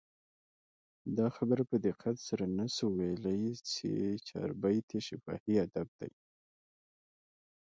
دا خبره په دقت سره نه سو ویلي، چي چاربیتې شفاهي ادب دئ.